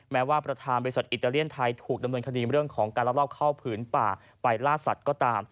แม้ว่าประธานบริษัทอิตาเลียนไทยถูกดำเนินคดีเรื่องของการลักลอบเข้าผืนป่าไปล่าสัตว์ก็ตาม